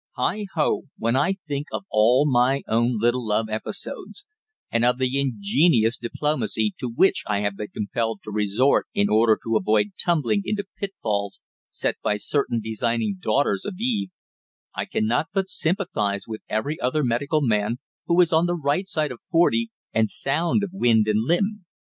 Heigho! When I think of all my own little love episodes, and of the ingenious diplomacy to which I have been compelled to resort in order to avoid tumbling into pitfalls set by certain designing Daughters of Eve, I cannot but sympathise with every other medical man who is on the right side of forty and sound of wind and limb.